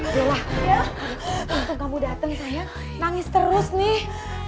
ayolah kagetan kamu datang sayang nangis terus nih